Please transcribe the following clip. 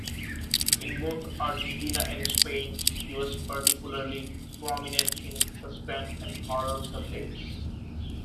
In both Argentina and Spain, he was particularly prominent in suspense and horror subjects.